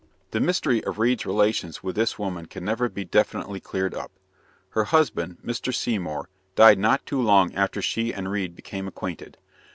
The mystery of Reade's relations with this woman can never be definitely cleared up. Her husband, Mr. Seymour, died not long after she and Reade became acquainted.